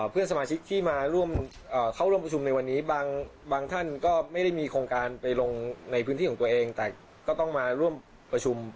เพื่อนสมาชิกที่มาร่วมเข้าร่วมประชุมในวันนี้บางท่านก็ไม่ได้มีโครงการไปลงในพื้นที่ของตัวเองแต่ก็ต้องมาร่วมประชุม